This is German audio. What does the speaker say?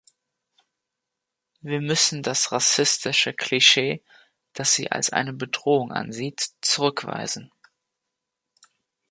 Wir müssen das rassistische Klischee, das sie als eine Bedrohung ansieht, zurückweisen.